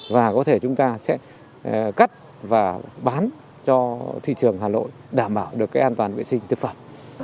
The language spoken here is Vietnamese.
và có thể chúng ta sẽ cắt và bán cho thị trường hà nội đảm bảo được cái an toàn vệ sinh thực phẩm